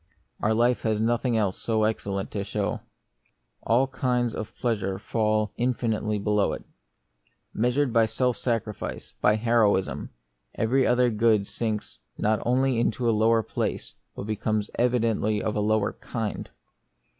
Our life has nothing else so excellent to show. All kinds of pleasure fall infinitely below it. Measured by self sacrifice, by heroism, every other good sinks not only into a lower place, but becomes evidently of a lower kind.